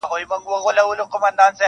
ورور له کلي لرې تللی دی